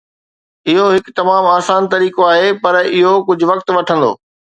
اهو هڪ تمام آسان طريقو آهي پر اهو ڪجهه وقت وٺندو